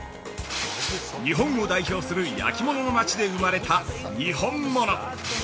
日本を代表する焼き物の町で生まれた「にほんもの」。